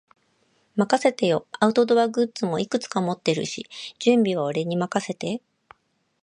任せてよ。アウトドアグッズもいくつか持ってるし、準備は俺に任せて。